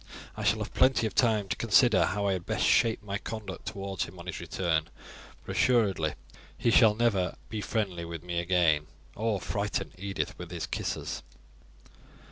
I shall have plenty of time to consider how I had best shape my conduct towards him on his return; but assuredly he shall never be friendly with me again, or frighten Edith with his kisses."